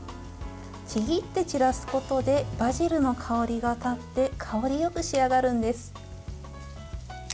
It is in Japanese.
ちぎって散らすことでバジルの香りが立って香りよく仕上がるんです。